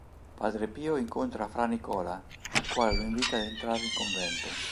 Padre Pio incontra Fra' Nicola, il quale lo invita ad entrare in convento.